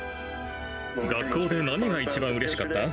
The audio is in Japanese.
学校で何が一番うれしかった？